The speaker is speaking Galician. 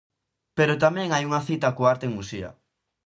Pero tamén hai unha cita coa arte en Muxía.